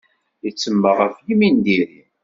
Ittemmeɣ ɣef yimi d yiri.